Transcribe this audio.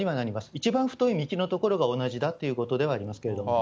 一番太い幹の所が同じだということになりますが。